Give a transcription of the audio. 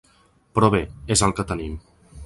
Però bé, és el que tenim.